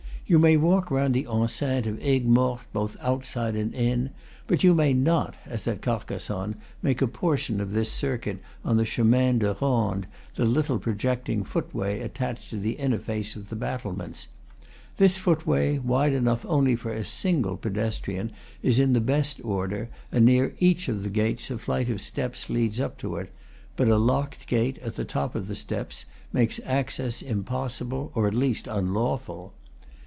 You may walk round the enceinte of Aigues Mortes, both outside and in; but you may not, as at Carcassonne, make a por tion of this circuit on the chemin de ronde, the little projecting footway attached to the inner face of the battlements. This footway, wide enough only for a single pedestrian, is in the best order, and near each of the gates a flight of steps leads up to it; but a locked gate, at the top of the steps, makes access im possible, or at least unlawful.